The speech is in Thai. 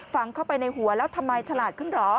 ฟังเข้าไปในหัวแล้วทำไมฉลาดขึ้นเหรอ